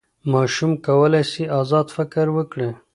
ماشوم کولی سي ازاد فکر وکړي.